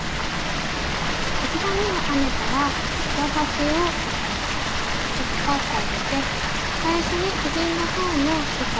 １段めが編めたら糸端を引っ張ってあげて最初に縮んだほうの糸